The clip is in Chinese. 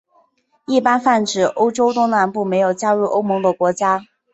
一般泛指欧洲东南部没有加入欧盟的国家。